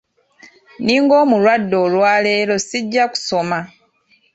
Ninga omulwadde olwaleero sijja kusoma.